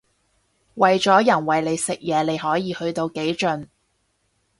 為咗人餵你食嘢你可以去到幾盡